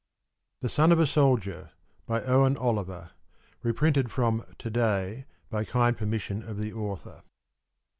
THE SON OF A SOLDIER BY OWEN OLIVER. (_Reprinted from "To Day" by kind permission of the Author.